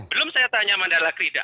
belum saya tanya mandala krida